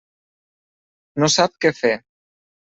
No sap què fer.